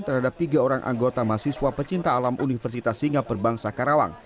terhadap tiga orang anggota mahasiswa pecinta alam universitas singapura bangsa karawang